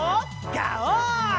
ガオー！